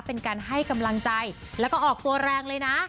เป็นการให้กำลังใจแล้วก็ออกตัวแรงเลยนะ